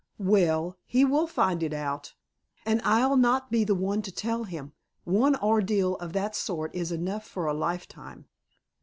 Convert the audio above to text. "Well, he will find it out. And I'll not be the one to tell him. One ordeal of that sort is enough for a lifetime."